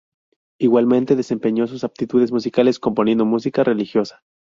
Igualmente, desempeñó sus aptitudes musicales componiendo música religiosa.